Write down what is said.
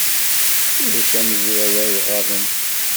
Ulac amezraw ay iɣaben.